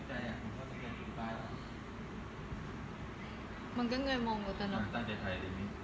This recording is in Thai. เหมือนก็เหนื่อยมองไปตอนนี้